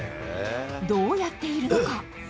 どうやっているのか。